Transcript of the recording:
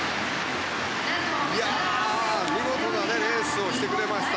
見事なレースをしてくれました。